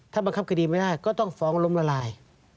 ถ้าบังคับคดีไม่ได้ก็ต้องฟ้องล้มละลาย